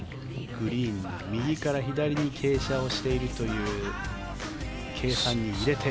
グリーンの右から左に傾斜をしているという計算に入れて。